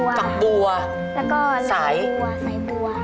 แล้วก็ล้างบัวใส่บัว